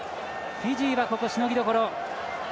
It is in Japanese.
フィジーは、しのぎどころ。